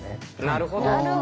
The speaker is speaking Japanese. なるほど。